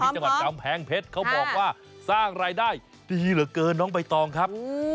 จังหวัดกำแพงเพชรเขาบอกว่าสร้างรายได้ดีเหลือเกินน้องใบตองครับ